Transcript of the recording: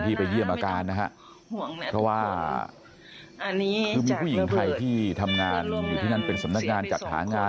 ไปเยี่ยมอาการนะฮะเพราะว่าคือมีผู้หญิงไทยที่ทำงานอยู่ที่นั่นเป็นสำนักงานจัดหางาน